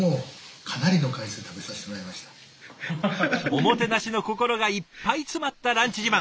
おもてなしの心がいっぱい詰まったランチ自慢！